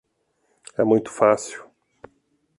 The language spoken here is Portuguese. É muito fácil.